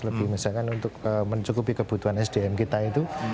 lebih misalkan untuk mencukupi kebutuhan sdm kita itu